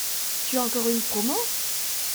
Tu as encore eu une promo?